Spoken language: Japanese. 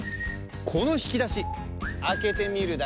このひきだしあけてみるだし。